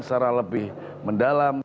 secara lebih mendalam